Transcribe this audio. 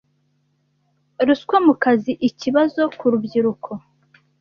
Ruswa mu kazi, ikibazo ku rubyiruko